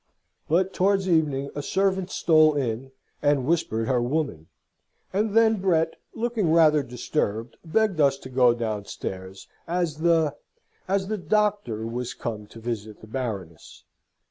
But towards evening, a servant stole in, and whispered her woman; and then Brett, looking rather disturbed, begged us to go downstairs, as the as the Doctor was come to visit the Baroness.